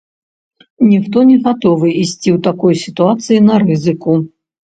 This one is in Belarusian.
Ніхто не гатовы ісці ў такой сітуацыі на рызыку.